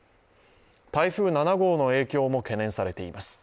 台風７号の影響も懸念されています